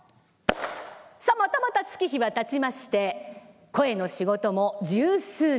さあまたまた月日はたちまして声の仕事も十数年。